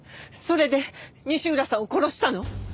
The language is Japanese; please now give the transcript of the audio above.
それで西浦さんを殺したの？